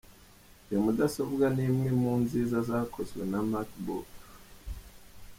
Iyi mudasobwa ni imwe mu nziza zakozwe na na MacBook.